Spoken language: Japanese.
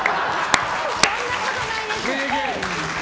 そんなことないです。